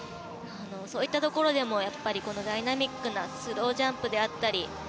そういったところでもダイナミックなスロージャンプだったり。